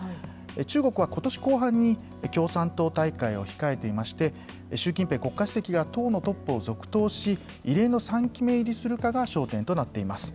中国はことし後半に、共産党大会を控えていまして、習近平国家主席が党のトップを続投し、異例の３期目入りするかが焦点となっています。